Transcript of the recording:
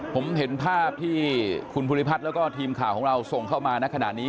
ผมเห็นภาพที่คุณภูริพัฒน์แล้วก็ทีมข่าวของเราส่งเข้ามาในขณะนี้